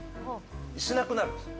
しなくなるんですよ。